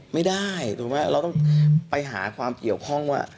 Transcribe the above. ไม่ได้ถูกไหมเราต้องไปหาความเกี่ยวข้องว่า